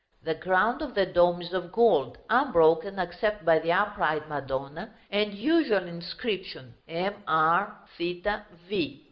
The ground of the dome is of gold, unbroken except by the upright Madonna, and usual inscription, M R [Greek: Theta] V.